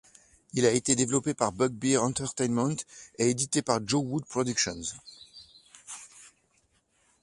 Il a été développé par Bugbear Entertainment et édité par JoWood Productions.